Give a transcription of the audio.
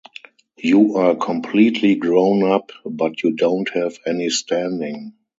You are completely grown up but you don’t have any standing.